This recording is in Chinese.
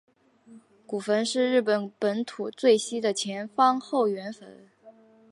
古坟是日本本土最西的前方后圆坟。